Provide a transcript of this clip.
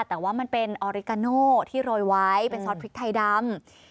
แต่ว่ามันเป็นออริกาโน่ที่โรยไว้เป็นซอสพริกไทยดำ